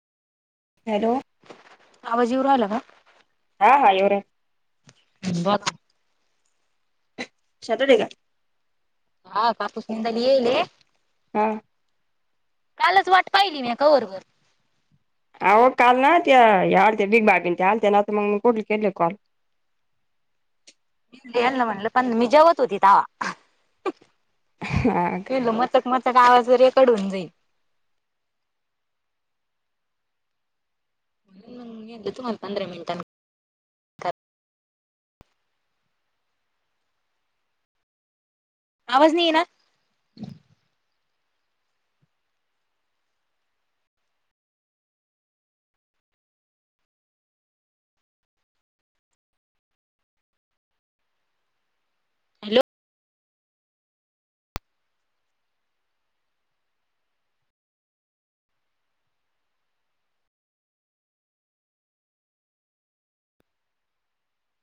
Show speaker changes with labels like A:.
A: Hello!
B: आवाज येऊ राहिला का.
A: हा हा येऊ रा
B: बत [unintelligible]
A: सॅटर्डे का?
B: हा कापूस निंद लेले.
A: आ!
B: कालच वाट पाहिली मी का वरवर
A: अहो काल ना त्या या आलता बीग बाबीन आलत्या ना मग मी कुठलेच नाही केले कॉल.
B: हेना म्हणलं पण मी जेवत होती तवा.
A: हाक..... [unintelligible]
B: मचक मचक आवाज वरे कडून जाईन. नेलीत म्हणतान पंधरा मिनिटांन. आवाज नही ईना.... हॅलो